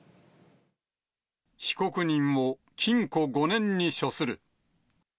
被告人を禁錮５年に処する。